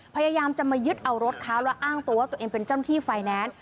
พยายามจะมายึดเอารถเขาแล้วอ้างตัวว่าตัวเองเป็นเจ้าหน้าที่ไฟแนนซ์